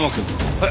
はい。